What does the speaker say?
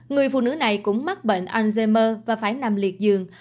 người phụ nữ này cũng mắc bệnh alzheimer và phải nằm liệt giường